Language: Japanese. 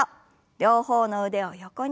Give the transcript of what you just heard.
両方の腕を横に。